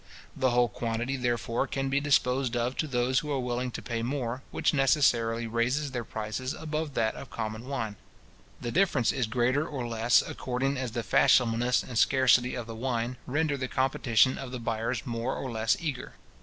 The whole quantity, therefore, can be disposed of to those who are willing to pay more, which necessarily raises their price above that of common wine. The difference is greater or less, according as the fashionableness and scarcity of the wine render the competition of the buyers more or less eager.